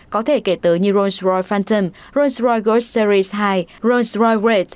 có thể kể tới như rolls royce phantom rolls royce gold series hai rolls royce red